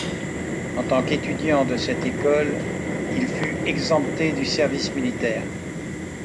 En tant qu'étudiant de cette école, il fut exempté du service militaire.